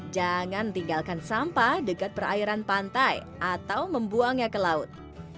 jangan tinggalkan sampah dekat perairan pantai atau membuangnya ke laut